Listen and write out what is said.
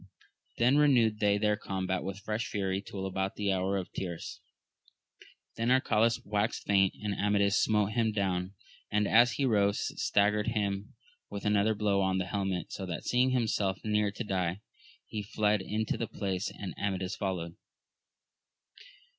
Then renewed they their combat with fresh fury till about the hour of tierce, then Arcalaus waxed faint, and Amadis smote him down; and, as he rose, staggered him with another blow on the helmet, so that seeing himself near to die, he fled into the palace, and Amadis followed.